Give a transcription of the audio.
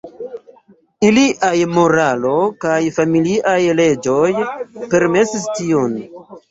Iliaj moralo kaj familiaj leĝoj permesis tion.